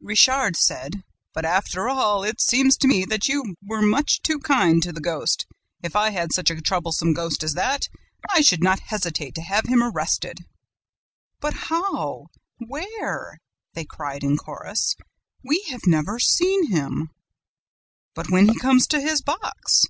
Richard said: 'But, after all all, it seems to me that you were much too kind to the ghost. If I had such a troublesome ghost as that, I should not hesitate to have him arrested.' "'But how? Where?' they cried, in chorus. 'We have never seen him!' "'But when he comes to his box?'